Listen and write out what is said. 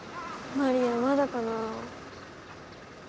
マリアまだかな。